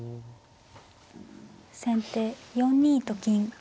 先手４二と金。